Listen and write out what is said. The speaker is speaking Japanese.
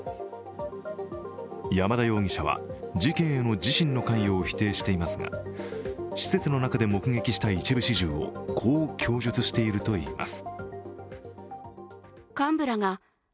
山田容疑者は事件への自身の関与を否定していますが施設の中で目撃した一部始終をこう供述しているといいます。